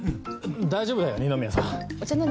大丈夫だよ二宮さん。